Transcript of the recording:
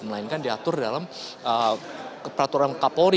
melainkan diatur dalam peraturan kapolri